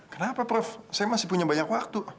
kenapa prof saya masih punya banyak waktu